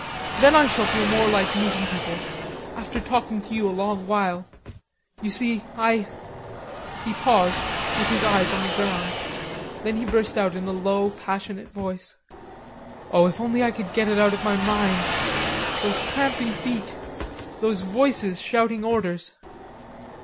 Then I shall feel more like meeting people, after talking to you a long while. You see, I...." He paused, with his eyes on the ground. Then he burst out in a low, passionate voice: "Oh, if I could only get it out of my mind... those tramping feet, those voices shouting orders."